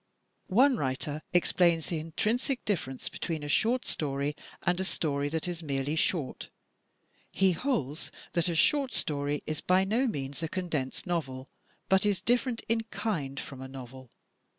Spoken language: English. One writer explains the intrinsic difference between a 278 THE TECHNIQUE OF THE MYSTERY STORY short story and a story that is merely short. He holds that a short story is by no means a condensed novel, but is dif ferent in kind from a novel.